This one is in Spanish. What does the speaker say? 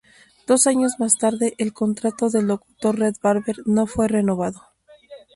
Dos años más tarde, el contrato del locutor Red Barber no fue renovado.